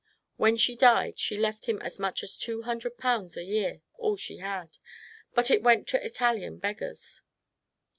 When she died she left him as much as two hundred pounds a year, — all she had, — but it went to Italian beg gars.